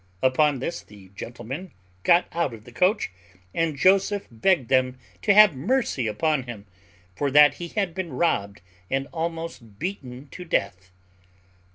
Upon this the gentlemen got out of the coach; and Joseph begged them to have mercy upon him: for that he had been robbed and almost beaten to death.